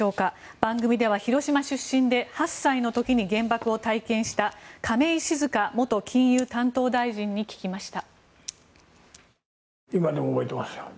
番組では広島出身で８歳の時に原爆を体験した亀井静香元金融担当大臣に聞きました。